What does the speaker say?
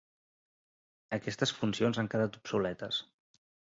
Aquestes funcions han quedat obsoletes.